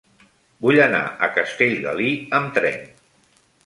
Vull anar a Castellgalí amb tren.